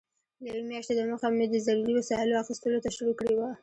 له یوې میاشتې دمخه مې د ضروري وسایلو اخیستلو ته شروع کړې وه.